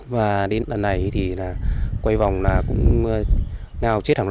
và đến lần này thì quay vòng là cũng ngao chết